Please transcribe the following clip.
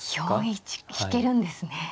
４一引けるんですね。